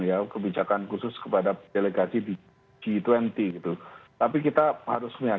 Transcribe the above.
ya kalau melihat dari konversi dari pemerintah yang baru saja dilakukan oleh menko marves dan juga menteri kesehatan kan memang akan ada pengecualian